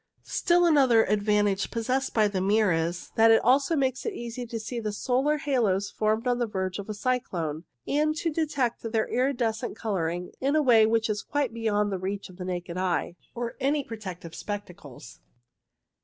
Still another advantage possessed by the mirror is that it makes it easy to see the solar halos formed on the verge of a cyclone, and to detect their iridescent colouring in a way which is quite beyond the reach of the naked eye or any protective spec tacles.